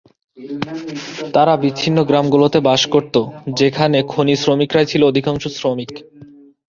তারা বিচ্ছিন্ন গ্রামগুলোতে বাস করত, যেখানে খনি শ্রমিকরাই ছিল অধিকাংশ শ্রমিক।